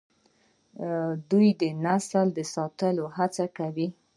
دوی د دې نسل د ساتلو هڅه کوي.